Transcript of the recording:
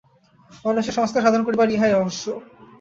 মানুষের সংস্কার-সাধন করিবার ইহাই রহস্য।